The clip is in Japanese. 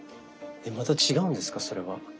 また違うんですかそれは？